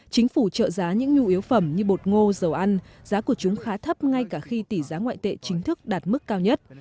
chính phủ trợ giá những nhu yếu phẩm như bột ngô dầu ăn giá của chúng khá thấp ngay cả khi tỷ giá ngoại tệ chính thức đạt mức cao nhất